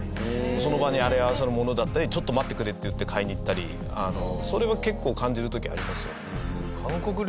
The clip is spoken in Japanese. その場にあり合わせのものだったり「ちょっと待ってくれ」って言って買いに行ったりそれは結構感じる時ありますよね。